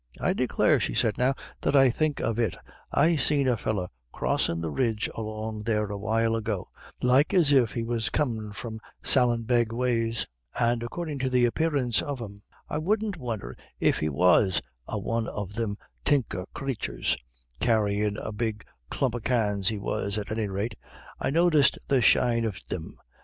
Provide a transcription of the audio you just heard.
"I declare," she said, "now that I think of it, I seen a feller crossin' the ridge along there a while ago, like as if he was comin' from Sallinbeg ways; and according to the apparence of him, I wouldn't won'er if he was a one of thim tinker crathures carryin' a big clump of cans he was, at any rate I noticed the shine of thim.